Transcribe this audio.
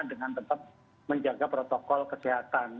dengan tetap menjaga protokol kesehatan